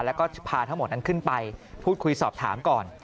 แล้วก็พาทั้งหมดนั้นขึ้นไปพูดคุยสอบถามก่อน